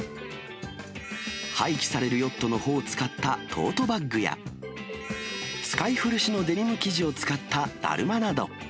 廃棄されるヨットの帆を使ったトートバッグや、使い古しのデニム生地を使っただるまなど。